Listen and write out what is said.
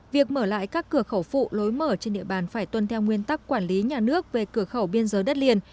việc mở lại các cửa khẩu phụ lối mở trên địa bàn phải tuân theo nguyên tắc quản lý nhà nước về cửa khẩu biên giới đất liền